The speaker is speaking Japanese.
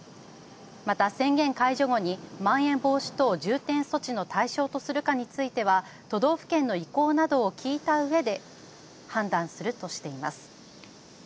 また宣言解除後にまん延防止等重点措置の対象とするかについては都道府県の意向などを聞いたうえで判断するとしています。